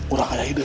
urah kaya ide tuh